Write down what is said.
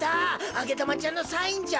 あげだまちゃんのサインじゃ。